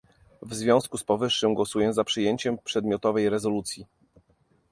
W związku z powyższym głosuję za przyjęciem przedmiotowej rezolucji